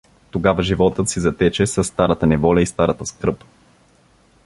Тогава животът си затече със старата неволя и старата скръб.